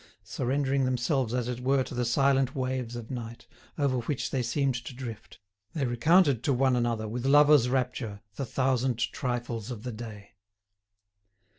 Surrendering themselves as it were to the silent waves of night, over which they seemed to drift, they recounted to one another, with lovers' rapture, the thousand trifles of the day.